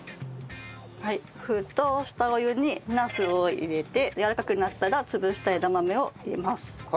沸騰したお湯にナスを入れてやわらかくなったら潰した枝豆を入れます。